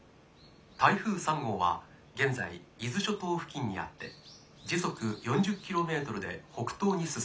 台風３号は現在伊豆諸島付近にあって時速４０キロメートルで北東に進んでいます。